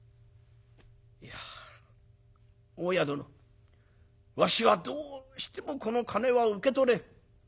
「いや大家殿わしはどうしてもこの金は受け取れん。